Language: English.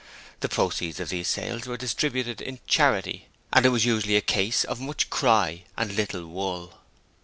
The proceeds of these sales were distributed in 'charity' and it was usually a case of much cry and little wool.